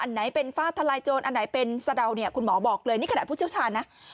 ไหนเป็นฟ้าทลายโจรอันไหนเป็นสะเดาเนี่ยคุณหมอบอกเลยนี่ขนาดผู้เชี่ยวชาญนะ